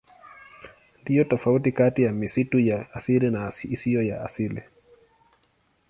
Ndiyo tofauti kati ya misitu ya asili na isiyo ya asili.